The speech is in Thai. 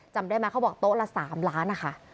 จำได้ไหมเขาบอกโต๊ะละ๓ล้านนะคะ